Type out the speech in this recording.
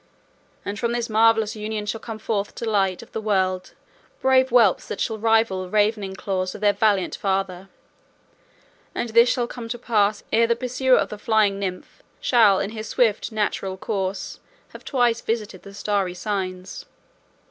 And from this marvellous union shall come forth to the light of the world brave whelps that shall rival the ravening claws of their valiant father; and this shall come to pass ere the pursuer of the flying nymph shall in his swift natural course have twice visited the starry signs.